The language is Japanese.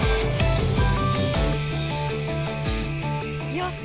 よし！